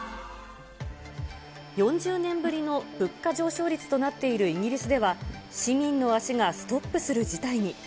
４０年ぶりの物価上昇率となっているイギリスでは、市民の足がストップする事態に。